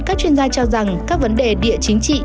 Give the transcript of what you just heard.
chúng ta cho rằng các vấn đề địa chính trị